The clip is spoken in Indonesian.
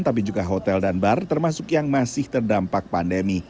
tapi juga hotel dan bar termasuk yang masih terdampak pandemi